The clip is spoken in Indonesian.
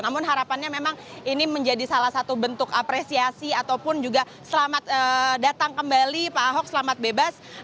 namun harapannya memang ini menjadi salah satu bentuk apresiasi ataupun juga selamat datang kembali pak ahok selamat bebas